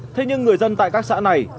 thế nhưng người dân tại các xã này